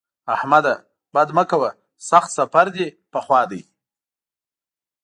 احمده! بد مه کوه؛ سخت سفر دې په خوا دی.